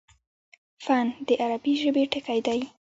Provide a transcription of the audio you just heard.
فن: د عربي ژبي ټکی دﺉ.